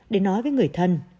để nói với người thân